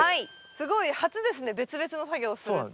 すごい初ですね別々の作業をするっていうのは。